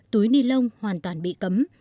túi nilon hoàn toàn bị cấm